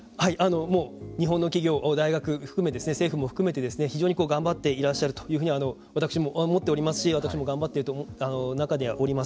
日本の企業大学含めて政府も含めて非常に頑張っていらっしゃるというふうに私も思っておりますし私も頑張っているとは思います。